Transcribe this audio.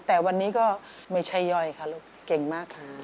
แต่วันนี้ก็ไม่ใช่ย่อยค่ะลูกเก่งมากค่ะ